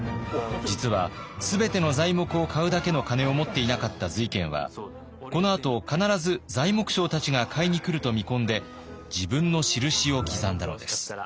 実は全ての材木を買うだけの金を持っていなかった瑞賢はこのあと必ず材木商たちが買いに来ると見込んで自分の印を刻んだのです。